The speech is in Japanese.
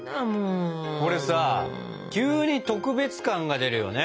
これさ急に特別感が出るよね。